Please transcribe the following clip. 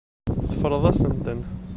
Teffreḍ-asent-ten.